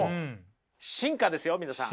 進化ですよ皆さん。